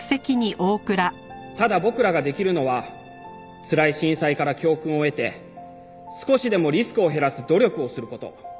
ただ僕らができるのはつらい震災から教訓を得て少しでもリスクを減らす努力をする事。